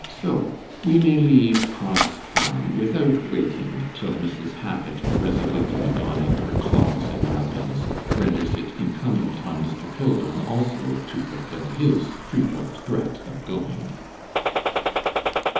So we may leave Cross Farm without waiting till Mrs. Hackit, resolutely donning her clogs and wrappings, renders it incumbent on Mr. Pilgrim also to fulfil his frequent threat of going.